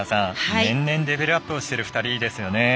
年々、レベルアップをしてる２人ですよね。